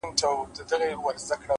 • د ښادي د ځواني میني دلارام سو ,